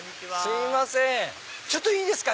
ちょっといいですか？